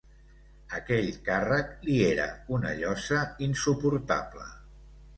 Aquell càrrec li era una llosa insuportable.